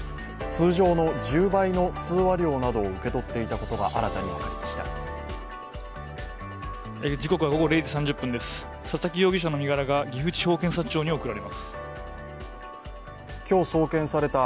通常の１０倍の通話料などを受け取っていたことが新たに分かりました。